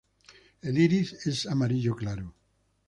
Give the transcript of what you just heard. El iris es amarillo claro.